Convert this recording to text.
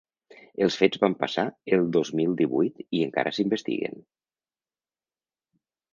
Els fets van passar el dos mil divuit i encara s’investiguen.